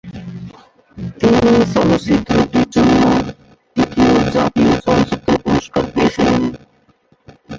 তিনি চলচ্চিত্রটির জন্য তার তৃতীয় জাতীয় চলচ্চিত্র পুরস্কার পেয়েছিলেন।